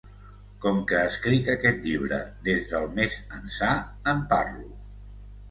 Com que escric aquest llibre des del més ençà, en parlo.